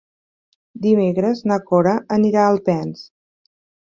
Dimecres na Cora anirà a Alpens.